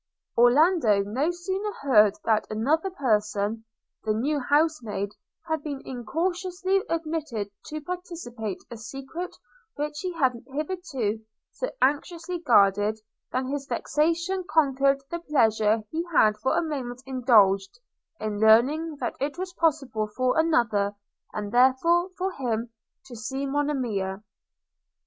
Orlando no sooner heard that another person, the new housemaid, had been incautiously admitted to participate a secret which he had hitherto so anxiously guarded, than his vexation conquered the pleasure he had for a moment indulged, in learning that it was possible for another, and therefore for him, to see Monimia.